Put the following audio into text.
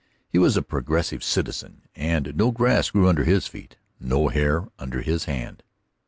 He was a progressive citizen, and no grass grew under his feet, no hair under his hand.